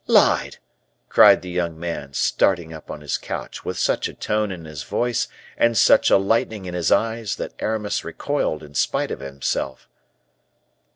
"Lied!" cried the young man, starting up on his couch, with such a tone in his voice, and such a lightning in his eyes, that Aramis recoiled, in spite of himself.